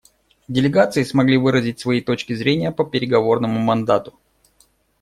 Делегации смогли выразить свои точки зрения по переговорному мандату.